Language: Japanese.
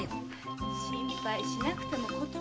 心配しなくても断るわ。